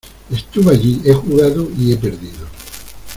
¡ estuve allí, he jugado y he perdido!